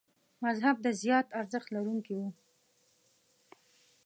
مذهب د زیات ارزښت لرونکي و.